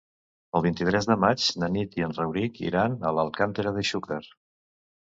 El vint-i-tres de maig na Nit i en Rauric iran a Alcàntera de Xúquer.